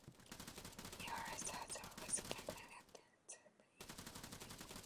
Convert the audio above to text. El Essa has also campaigned against censorship in Kuwait.